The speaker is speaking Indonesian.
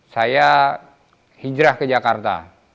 saya hijrah ke jakarta